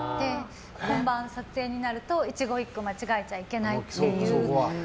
本番、撮影になると一言一句間違えちゃいけないっていう。